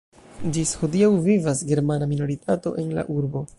Ĝis hodiaŭ vivas germana minoritato en la urbo.